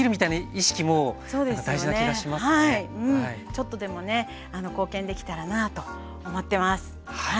ちょっとでもね貢献できたらなぁと思ってます。